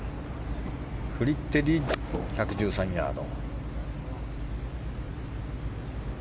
フリテリ、１１３ヤード。